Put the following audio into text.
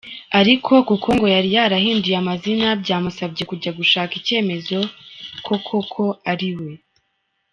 Ariko kuko ngo yari yarahinduye amazina, byamusabye kujya gushaka icyemeza ko koko ariwe.